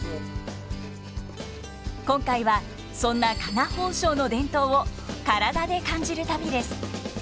今回はそんな加賀宝生の伝統を体で感じる旅です。